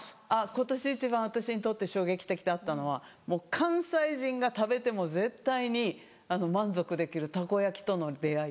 今年一番私にとって衝撃的だったのは関西人が食べても絶対に満足できるたこ焼きとの出合い。